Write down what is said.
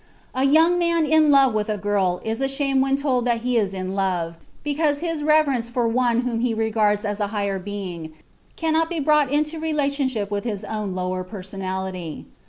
A young man in love with a girl is ashamed when told that he is in love, because his reverence for one whom he regards as a higher being cannot be brought into relationship with his own lower personality.